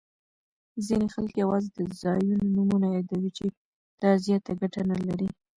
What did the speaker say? ځیني خلګ یوازي د ځایونو نومونه یادوي، چي دا زیاته ګټه نلري.